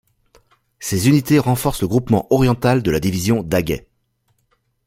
Ces unités renforcent le groupement oriental de la division Daguet.